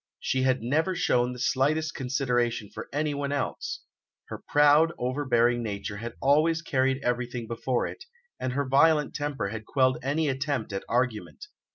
She had never shown the slightest consideration for anyone else; her proud, overbearing nature had always carried everything before it, and her violent temper had quelled any attempt at argument.